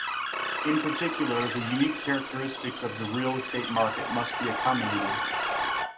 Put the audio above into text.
In particular, the unique characteristics of the real estate market must be accommodated.